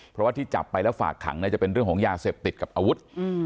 เพราะว่าที่จับไปแล้วฝากขังจะเป็นเรื่องของยาเสพติดกับอาวุธ